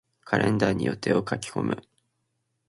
カレンダーに予定を書き込む。